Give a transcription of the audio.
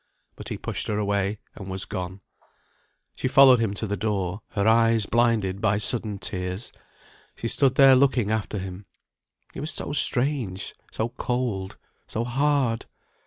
But he pushed her away, and was gone. She followed him to the door, her eyes blinded by sudden tears; she stood there looking after him. He was so strange, so cold, so hard.